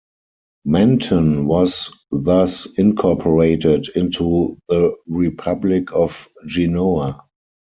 Menton was thus incorporated into the Republic of Genoa.